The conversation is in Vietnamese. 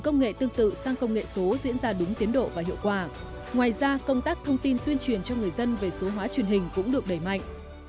ngoài ra công tác thông tin tuyên truyền cho người dân về số hóa truyền hình cũng được đẩy mạnh